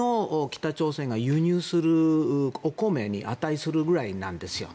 北朝鮮が輸入するお米に値するぐらいなんですよ。